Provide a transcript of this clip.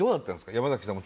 山崎さんも。